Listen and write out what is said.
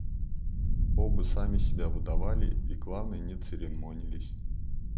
Оба сами себя выдавали и, главное, не церемонились.